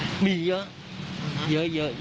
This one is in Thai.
แต่ด้วยความที่เป็นจุดรกร้างย่าก็ขึ้นรกไปหมดเลย